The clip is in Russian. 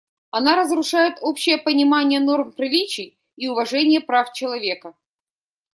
Она разрушает общее понимание норм приличий и уважение прав человека.